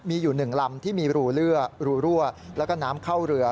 มีอยู่๑ลำที่มีรูรั่วแล้วก็น้ำเข้าเรือ